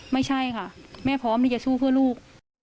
ไม่ใช่ค่ะแม่พร้อมที่จะสู้เพื่อลูก